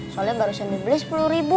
soalnya barusan dibeli sepuluh ribu